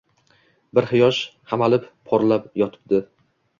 Bir huyosh hamalib porlab yotibdi!»